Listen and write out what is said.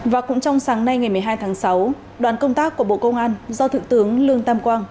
và cũng trong sáng nay ngày một mươi hai tháng sáu đoàn công tác của bộ công an do thượng tướng lương tam quang